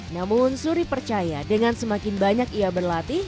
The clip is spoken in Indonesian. namun suri percaya dengan semakin banyak ia berlatih